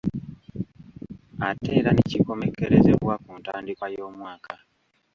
Ate era ne kikomekkerezebwa ku ntandikwa y’omwaka.